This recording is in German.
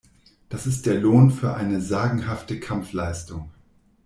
Das ist der Lohn für eine sagenhafte Kampfleistung.